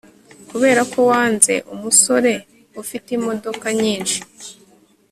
kubera ko wanze umusore ufite imodoka nyinshi